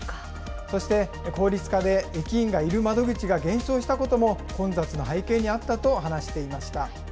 そして、効率化で駅員がいる窓口が減少したことも混雑の背景にあったと話していました。